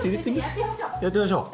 ・やってみましょう！